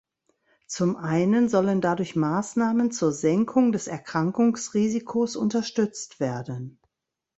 Zum einen sollen dadurch Maßnahmen zur Senkung des Erkrankungsrisikos unterstützt werden.